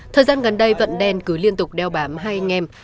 thời gian gần đây vận đen cứ liên tục đeo bám hai anh em